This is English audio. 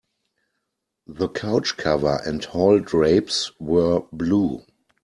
The couch cover and hall drapes were blue.